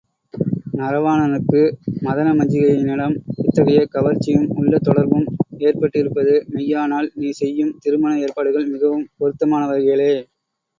நரவாணனுக்கு மதனமஞ்சிகையினிடம் இத்தகைய கவர்ச்சியும் உள்ளத் தொடர்பும் ஏற்பட்டிருப்பது மெய்யானால் நீ செய்யும் திருமண ஏற்பாடுகள் மிகவும் பொருத்தமானவைகளே.